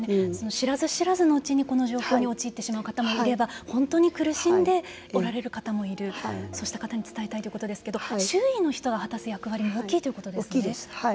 知らず知らずのうちにこの状況に陥ってしまう方もいれば本当に苦しんでおられる方もいるそうした方に伝えたいということですけど周囲の人が果たす役割も大きいということですね。